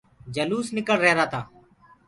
جلوس ڻڪݪ رهيرآ تآ۔